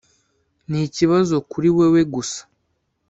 ni ikibazo kuri wewe gusa.